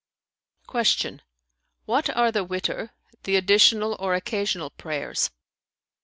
Q "What are the Witr, the additional or occasional prayers?"